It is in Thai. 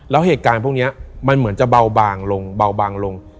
แล้วเหตุการณ์พวกนี้มันเหมือนจะเบาบางลง